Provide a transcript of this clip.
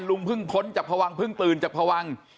ลุงเพิ่งพ้นจากพวังเพิ่งตื่นจากพวัง